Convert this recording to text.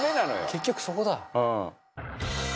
「結局そこだ」